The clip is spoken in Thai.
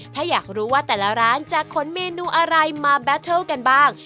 ถ้าอยากรู้ว่าแต่ละร้านจะขนเมนูอะไรมาแบตเทิลกันบ้าง